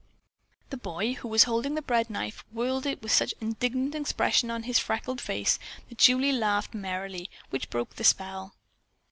The boy, who was holding the bread knife, whirled with such an indignant expression on his freckled face that Julie laughed merrily, which broke the spell.